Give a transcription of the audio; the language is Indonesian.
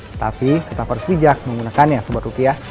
tetapi kita harus bijak menggunakannya sobat rupiah